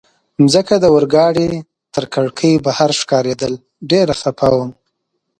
مځکه د اورګاډي تر کړکۍ بهر ښکارېدل، ډېر خفه وم.